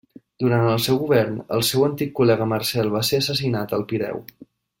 Durant el seu govern el seu antic col·lega Marcel va ser assassinat al Pireu.